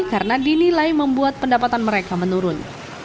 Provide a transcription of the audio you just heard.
karena dinilai membuat pendapatan mereka menurun